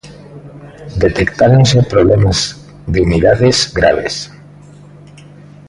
Detectáronse problemas de humidades graves.